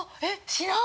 しない！